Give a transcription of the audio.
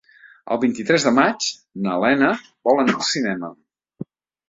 El vint-i-tres de maig na Lena vol anar al cinema.